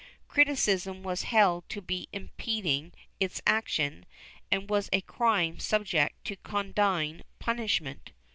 Criticism was held to be impeding its action and was a crime subject to condign punishment.